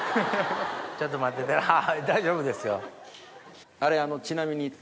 ちょっと待ってて大丈夫ですよ。